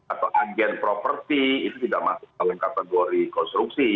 atau agen properti itu tidak masuk dalam kategori konstruksi